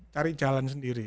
cari jalan sendiri